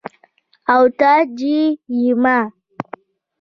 او تاج يي ديما